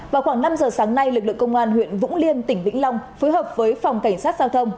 vào khoảng năm giờ sáng nay lực lượng công an huyện vũng liêm tỉnh vĩnh long phối hợp với phòng cảnh sát giao thông